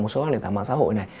một số các điện tảng mạng xã hội này